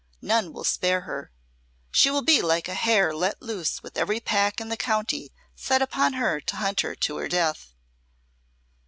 None will spare her. She will be like a hare let loose with every pack in the county set upon her to hunt her to her death."